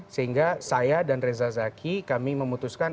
sehingga saya dan reza zaki kami memutuskan